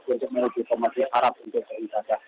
untuk menuju ke masjid al arab untuk berjaga